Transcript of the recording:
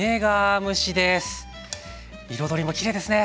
彩りもきれいですね。